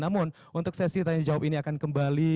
namun untuk sesi tanya jawab ini akan kembali